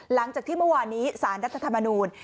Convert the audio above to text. หลังจากที่เมื่อวานนี้สารรัฐธรรมนูญ